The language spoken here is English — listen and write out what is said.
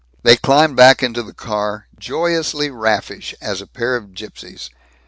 They climbed back into the car, joyously raffish as a pair of gipsies.